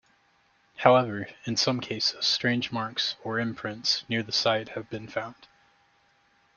However, in some cases, strange marks or imprints near the site have been found.